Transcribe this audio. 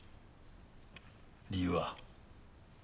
理由は？